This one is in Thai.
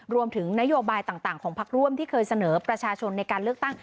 รวมถึงนโยบายต่างของพักร่วมที่เคยเสนอประชาชนในการเลือกตั้ง